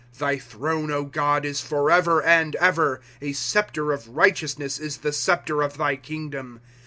^ Thy throne, O God, is forever and ever ; A sceptre of righteousness is the sceptre of thy kingdom.